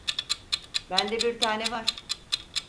Bende bir tane var.